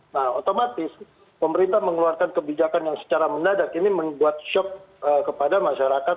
nah otomatis pemerintah mengeluarkan kebijakan yang secara mendadak ini membuat shock kepada masyarakat